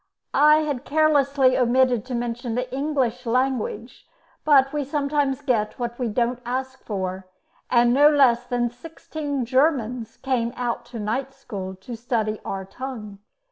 I had carelessly omitted to mention the English language, but we sometimes get what we don't ask for, and no less than sixteen Germans came to night school to study our tongue.